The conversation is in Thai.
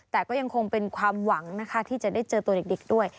แต่ก็ยังคงเป็นความหวังนะคะที่จะได้เจอตัวเด็กด้วย